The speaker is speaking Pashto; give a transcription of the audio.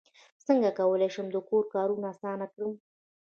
څنګه کولی شم د کور کارونه اسانه کړم